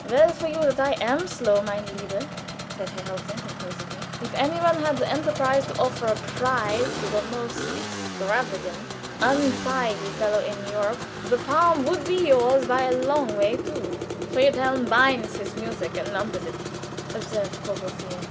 "Well for you that I am, mein lieber," said Helfen, composedly. "If any one had the enterprise to offer a prize to the most extravagant, untidy fellow in Europe, the palm would be yours by a long way too." "Friedel binds his music and numbers it," observed Courvoisier.